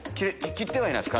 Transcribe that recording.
切ってはいないです